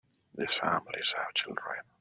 These families have children.